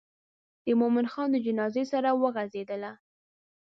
د مومن خان د جنازې سره وغزېدله.